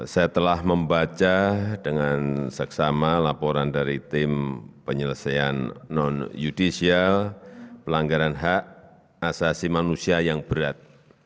saya telah membaca dengan seksama laporan dari tim penyelesaian non judicial pelanggaran hak asasi manusia yang berat